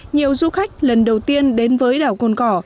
nhiều du khách lần đầu tiên đến với đảo cồn cỏ